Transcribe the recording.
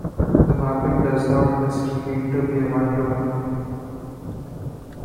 The mapping does not necessarily need to be a one-to-one mapping.